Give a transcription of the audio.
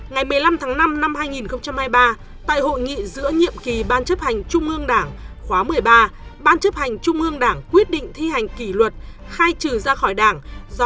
ngày một mươi năm tháng năm năm hai nghìn hai mươi ba tại hội nghị giữa nhiệm kỳ ban chấp hành trung ương đảng khóa một mươi ba ban chấp hành trung ương đảng quyết định thi hành kỷ luật khai trừ ra khỏi đảng